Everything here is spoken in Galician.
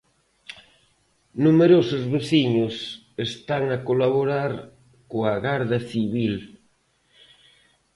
Numerosos veciños están a colaborar coa Garda Civil.